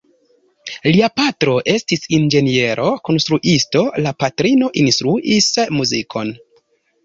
Lia patro estis inĝeniero-konstruisto, la patrino instruis muzikon.